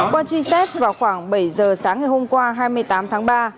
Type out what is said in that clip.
qua truy xét vào khoảng bảy giờ sáng ngày hôm qua hai mươi tám tháng ba